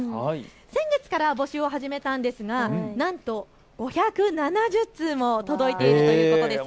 先月から募集を始めたんですがなんと、５７０通も届いているということです。